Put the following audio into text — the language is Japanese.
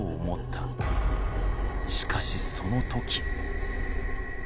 しかしその時。